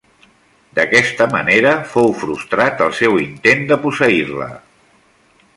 D'aquesta manera fou frustrat el seu intent de posseir-la.